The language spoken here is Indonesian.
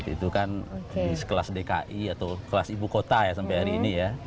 itu kan di sekelas dki atau kelas ibu kota ya sampai hari ini ya